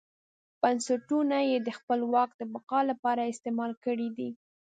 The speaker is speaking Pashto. بنسټونه یې د خپل واک د بقا لپاره سمبال کړي دي.